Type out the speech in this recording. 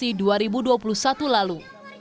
ini adalah inovasi dua ribu dua puluh satu lalu